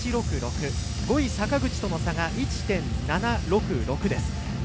５位坂口との差が１．７６６です。